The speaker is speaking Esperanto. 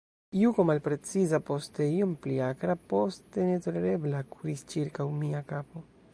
Juko malpreciza, poste iom pli akra, poste netolerebla, kuris ĉirkaŭ mia kapo.